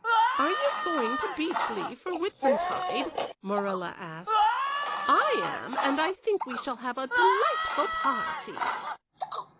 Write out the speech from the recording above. "Are you going to Beechleigh for Whitsuntide?" Morella asked. "I am, and I think we shall have a delightful party."